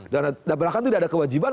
dan belakang tidak ada kewajiban